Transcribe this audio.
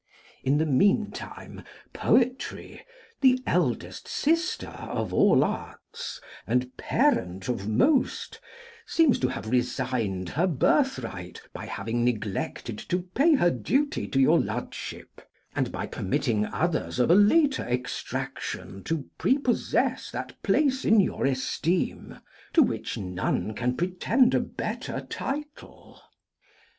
In the meantime, poetry, the eldest sister of all arts, and parent of most, seems to have resigned her birthright, by having neglected to pay her duty to your lordship, and by permitting others of a later extraction to prepossess that place in your esteem, to which none can pretend a better title.